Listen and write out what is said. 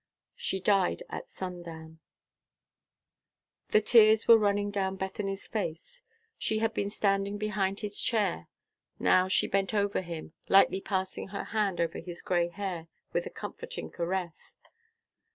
"She died at sundown!" The tears were running down Bethany's face. She had been standing behind his chair. Now she bent over him, lightly passing her hand over his gray hair, with a comforting caress.